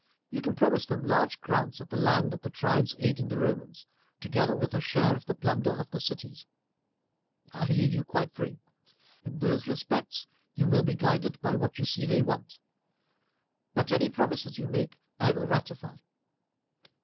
You can promise them large grants of the land of the tribes aiding the Romans, together with a share in the plunder of the cities. I leave you quite free. In those respects you will be guided by what you see they want; but any promises you may make I will ratify.